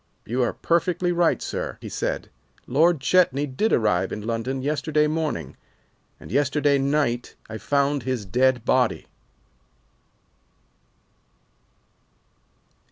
"You are perfectly right, sir," he said, "Lord Chetney did arrive in London yesterday morning, and yesterday night I found his dead body."